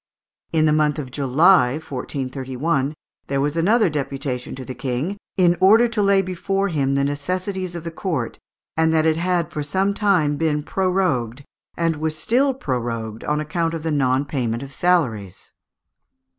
In the month of July, 1431, there was another deputation to the King, "in order to lay before him the necessities of the court, and that it had for some time been prorogued, and was still prorogued, on account of the non payment of salaries."